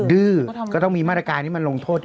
ดื้อก็ต้องมีมารกายนี่มันลงโทษ